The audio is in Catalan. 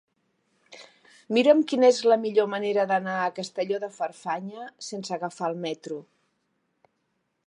Mira'm quina és la millor manera d'anar a Castelló de Farfanya sense agafar el metro.